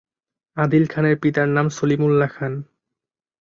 আদিল খানের পিতার নাম সলিমুল্লাহ খান।